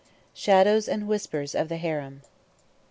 SHADOWS AND WHISPERS OF THE HAREM.